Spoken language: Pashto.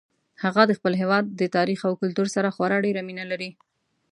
هغه د خپل هیواد د تاریخ او کلتور سره خورا ډیره مینه لري